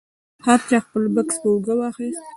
هر چا خپل بکس په اوږه واخیست.